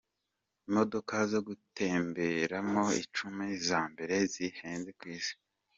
Imodoka zo gutemberamo Icumi za mbere zihenze ku Isi